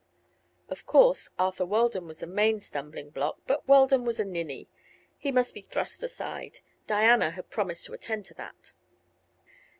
Of course Arthur Weldon was the main stumbling block; but Weldon was a ninny; he must be thrust aside; Diana had promised to attend to that.